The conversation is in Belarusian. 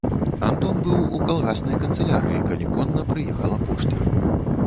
Антон быў у калгаснай канцылярыі, калі конна прыехала пошта.